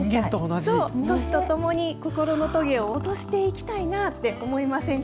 そう、年とともに、心のとげを落としていきたいなって思いませんか？